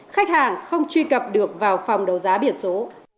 khách hàng không truy cập được vào phòng đấu giá biển số